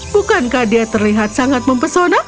bukankah dia terlihat sangat mempesona